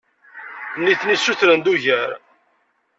Nitni ssutren-d ugar.